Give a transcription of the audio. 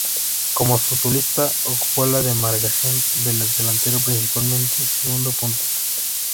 Como futbolista, ocupó la demarcación de delantero, principalmente segundo punta.